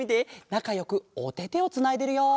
なかよくおててをつないでるよ！